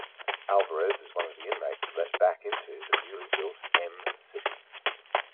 Alvarez is one of the inmates let back into the newly built Em City.